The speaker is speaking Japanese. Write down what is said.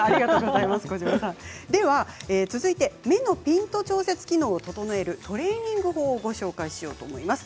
では続いて目のピント調節機能を整えるトレーニング方法をご紹介します。